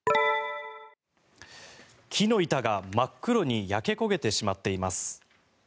木の板が真っ黒に焼け焦げてしまっています。